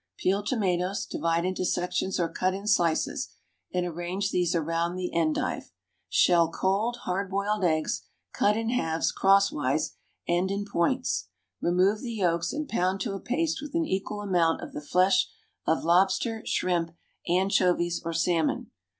Peel tomatoes, divide into sections or cut in slices, and arrange these around the endive. Shell cold, hard boiled eggs; cut in halves, crosswise, and in points; remove the yolks and pound to a paste with an equal amount of the flesh of lobster, shrimp, anchovies or salmon.